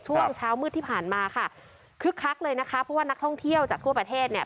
ช่วงเช้ามืดที่ผ่านมาค่ะคึกคักเลยนะคะเพราะว่านักท่องเที่ยวจากทั่วประเทศเนี่ย